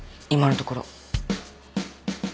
今のところ。